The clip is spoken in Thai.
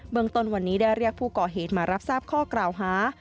เมืองต้นวันนี้ได้เรียกผู้ก่อเหตุมารับทราบข้อกล่าวหา